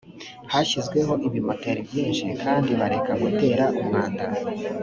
hashyizweho ibimoteri byinshi kandi bareka gutera umwanda